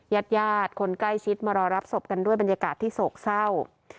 ญาติญาติคนใกล้ชิดมารอรับศพกันด้วยบรรยากาศที่โศกเศร้า